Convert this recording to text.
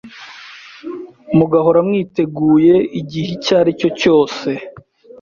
mugahora mwiteguye, igihe icyo ari cyo cyose